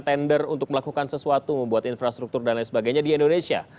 tender untuk melakukan sesuatu membuat infrastruktur dan lain sebagainya di indonesia